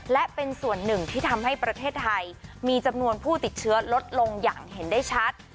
และเป็นส่วนหนึ่งที่ทำให้ประเทศไทยมีจำนวนผู้ติดเชื้อลดลงอย่างเห็นได้ชัด